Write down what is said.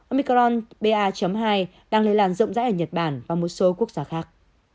omicron ba hai đang lây lan rộng rãi ở nhật bản và một số quốc gia khác